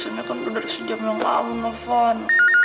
biasanya kan udah sejam yang lalu telepon